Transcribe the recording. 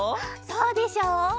そうでしょう！